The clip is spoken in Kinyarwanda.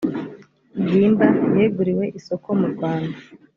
bwimba yeguriwe isoko mu rwanda